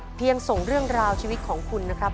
ส่งเรื่องราวชีวิตของคุณนะครับ